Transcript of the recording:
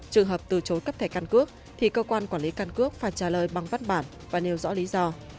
trường hợp từ chối cấp thẻ căn cước thì cơ quan quản lý căn cước phải trả lời bằng văn bản và nêu rõ lý do